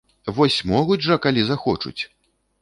Вось могуць жа, калі захочуць!